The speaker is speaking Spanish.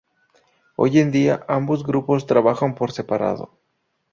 Hoy en día ambos grupos trabajan por separado.